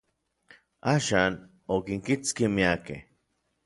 Axan, okinkitski miakej.